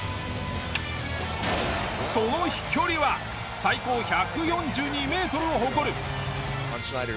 その飛距離は最高１４２メートルを誇る。